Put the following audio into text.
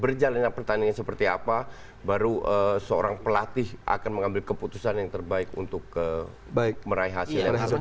berjalannya pertandingan seperti apa baru seorang pelatih akan mengambil keputusan yang terbaik untuk meraih hasil yang terbaik